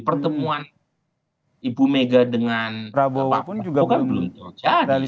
pertemuan ibu mega dengan pak prabowo pun juga belum terjadi